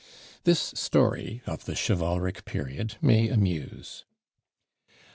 This story of the chivalric period may amuse.